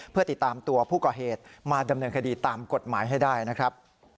เพื่อติดตามตัวผู้ก่อเหตุมาดำเนินคดีตามกฎหมายให้ได้นะครับ